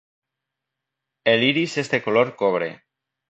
El iris es de color cobre.